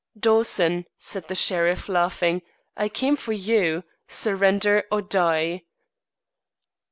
"Dawson," said the sheriff, laughing, "I came for you. Surrender or die."